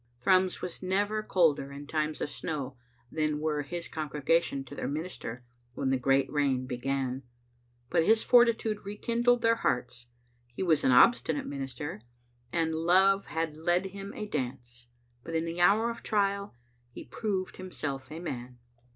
Thrums was never colder in times of snow than were his congregation to their minister when the Great Rain began, but his fortitude rekindled their hearts. He was an obstinate minister, and love had led him a dance, but in the hour of trial he had proved himself a man.